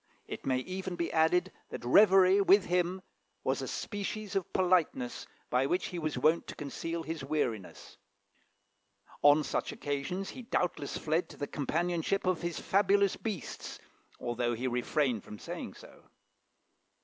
It may even be added, that reverie with him was a species of politeness by which he was wont to conceal his weariness. On such occasions he doubtless fled to the companionship of his fabulous beasts, although he refrained from saying so.